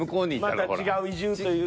また違う移住という。